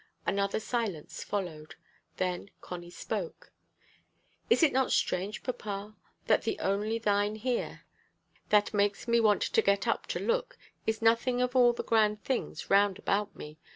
Another silence followed. Then Connie spoke. "Is it not strange, papa, that the only time here that makes me want to get up to look, is nothing of all the grand things round about me?